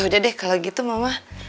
udah deh kalau gitu mama